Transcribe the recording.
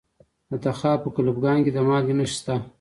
د تخار په کلفګان کې د مالګې نښې شته.